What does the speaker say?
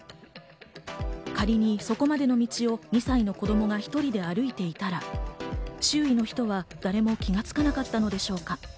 仮にそこまでの道を２歳の子供が１人で歩いていたら、周囲の人は誰も気づかなかったのでしょうか。